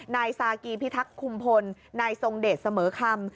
นายซากีพิทักษ์คุมพลนายทรงเดชเสมอคำ